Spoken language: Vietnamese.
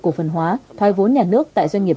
cổ phần hóa thoái vốn nhà nước tại doanh nghiệp